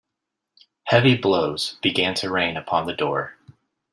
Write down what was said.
Heavy blows began to rain upon the door.